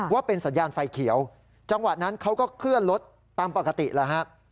ว่าเป็นสัญญาณไฟเขียวจังหวะนั้นเขาก็เคลื่อนรถตามปกติแล้วฮะ